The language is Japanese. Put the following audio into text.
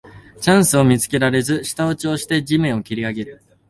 チャンスを見つけられず舌打ちをして地面をけりあげる